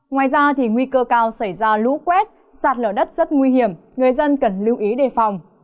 ngoài ra nguy cơ cao xảy ra lũ quét sạt lở đất rất nguy hiểm người dân cần lưu ý đề phòng